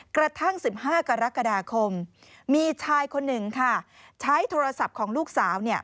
กระทั่ง๑๕กรกฎาคมมีชายคนหนึ่งค่ะใช้โทรศัพท์ของลูกสาว